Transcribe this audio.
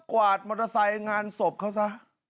วาดมอเตอร์ไซค์งานศพเขาซะ